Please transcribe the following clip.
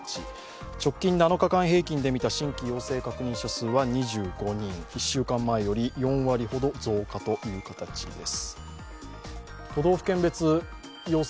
直近７日間平均で見た新規陽性確認者数は２５人、１週間前より４割ほど増加という形です。